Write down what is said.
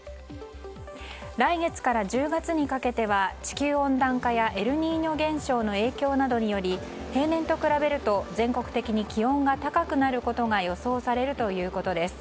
来月から１０月にかけては地球温暖化やエルニーニョ現象の影響などにより平年と比べると全国的に気温が高くなることが予想されるということです。